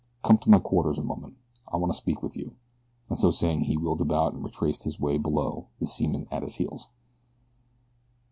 "Come to my quarters a moment, I want to speak with you," and so saying he wheeled about and retraced his way below, the seaman at his heels.